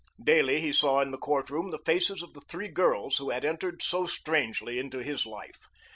Daily he saw in the court room the faces of the three girls who had entered so strangely into his life.